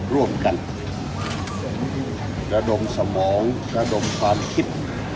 ร่วมกันระดมสมองระดมความคิด